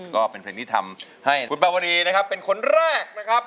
ก็เป็นเพลงที่ทำให้คุณปาวรีนะครับเป็นคนแรกนะครับ